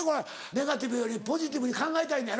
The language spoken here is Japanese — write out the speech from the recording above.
ネガティブよりポジティブに考えたいのやろ？